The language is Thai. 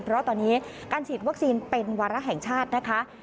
เพราะตอนนี้การฉีดวัคซีนเป็นวาระแห่งชาตินะคะ